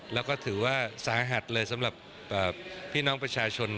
แล้วก็ถือว่าสาหัสเลยสำหรับพี่น้องประชาชน